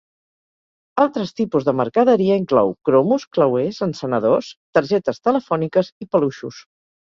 Altres tipus de mercaderia inclou cromos, clauers, encenedors, targetes telefòniques i peluixos.